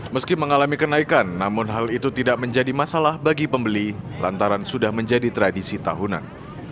meski mengalami kenaikan namun hal itu tidak menjadi masalah bagi pembeli lantaran sudah menjadi tradisi tahunan